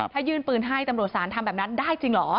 ถ้ายื่นปืนให้ตำรวจศาลทำแบบนั้นได้จริงเหรอ